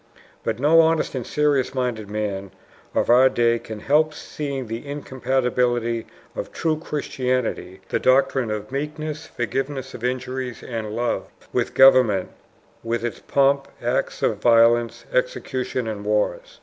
But no honest and serious minded man of our day can help seeing the incompatibility of true Christianity the doctrine of meekness, forgiveness of injuries, and love with government, with its pomp, acts of violence, executions, and wars.